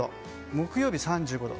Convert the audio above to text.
木曜日、３５度。